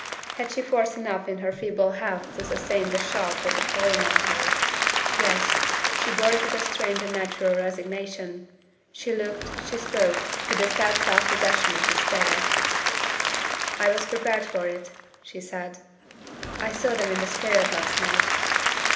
Had she force enough in her feeble health to sustain the shock that had fallen on her? Yes! she bore it with a strange unnatural resignation she looked, she spoke, with the sad self possession of despair. "I was prepared for it," she said. "I saw them in the spirit last night.